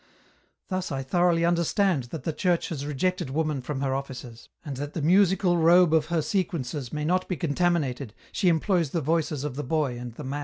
Thus I thoroughly understand that the Church has rejected woman from her offices, and that the musical robe of her sequences may not be contaminated she employs the voices of the boy and the man.